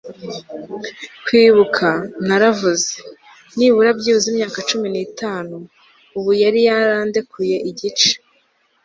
kwibuka, 'naravuze. 'nibura byibuze imyaka cumi n'itanu ...' ubu yari yarandekuye igice